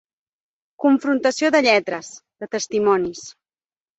Confrontació de lletres, de testimonis.